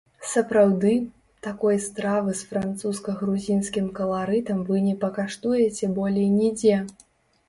Сапраўды, такой стравы з французска-грузінскім каларытам вы не пакаштуеце болей нідзе.